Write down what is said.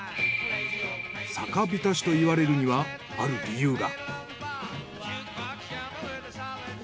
酒びたしといわれるにはある理由が。